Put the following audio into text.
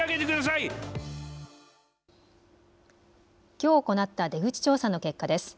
きょう行った出口調査の結果です。